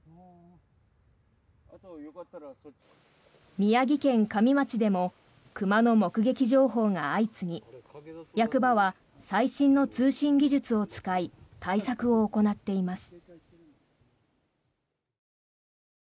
宮城県加美町でも熊の目撃情報が相次ぎ役場は最新の通信技術を使い対策を行っています。